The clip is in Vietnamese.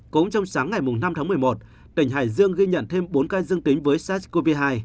cũng trong sáng ngày năm tháng một mươi một tỉnh hải dương ghi nhận thêm bốn ca dương tính với sars cov hai